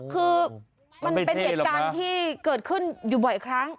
คือมันเป็นเหตุการณ์ที่เกิดขึ้นอยู่บ่อยครั้ง